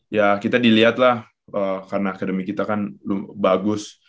ya kita diliat lah karena akademi kita kan bagus